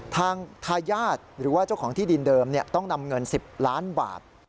ทางทายาทหรือว่าเจ้าของที่ดินเดิมต้องนำเงิน๑๐ล้านบาท